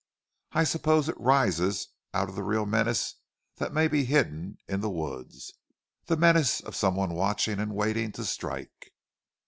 I suppose it rises out of the real menace that may be hidden in the woods, the menace of some one watching and waiting to strike."